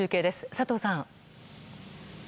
佐藤さん。